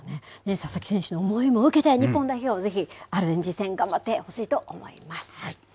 佐々木選手の思いも受けて、日本代表、ぜひ、アルゼンチン戦、頑張ってほしいと思います。